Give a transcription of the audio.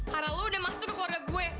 karena lu udah masuk ke keluarga gue